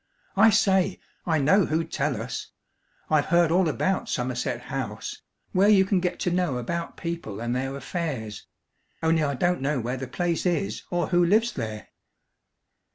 I say, I know who'd tell us. I've heard all about Somerset House where you can get to know about people and their affairs only I don't know where the place is, or who lives there."